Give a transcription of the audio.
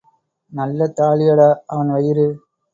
நல்ல தாழியடா அவன் வயிறு.